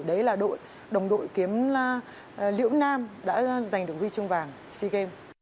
đấy là đội đồng đội kiếm liễu nam đã giành được huy chương vàng